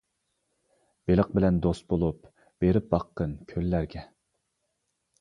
بېلىق بىلەن دوست بولۇپ، بېرىپ باققىن كۆللەرگە.